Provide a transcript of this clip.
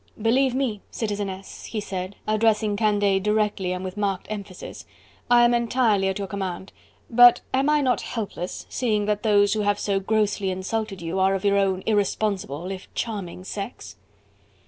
"Believe me, Citizeness," he said, addressing Candeille directly and with marked emphasis, "I am entirely at your command, but am I not helpless, seeing that those who have so grossly insulted you are of your own irresponsible, if charming, sex?"